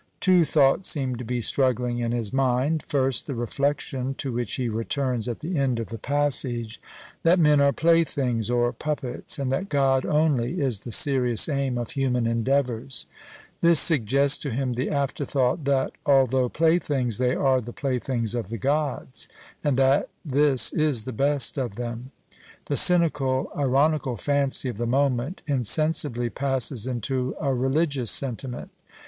Two thoughts seem to be struggling in his mind: first, the reflection, to which he returns at the end of the passage, that men are playthings or puppets, and that God only is the serious aim of human endeavours; this suggests to him the afterthought that, although playthings, they are the playthings of the Gods, and that this is the best of them. The cynical, ironical fancy of the moment insensibly passes into a religious sentiment.